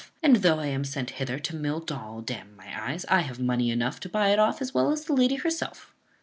and, though I am sent hither to mill doll, d n my eyes, I have money enough to buy it off as well as the lady herself."